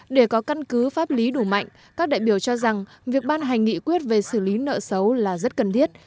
để có căn cứ pháp lý đủ mạnh các đại biểu cho rằng việc ban hành nghị quyết về xử lý nợ xấu là rất cần thiết